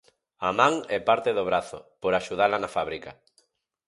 A man e parte do brazo, por axudala na fábrica.